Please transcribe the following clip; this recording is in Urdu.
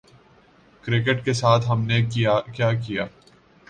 کرکٹ کے ساتھ ہم نے کیا کیا؟